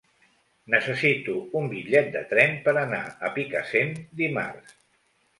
Necessito un bitllet de tren per anar a Picassent dimarts.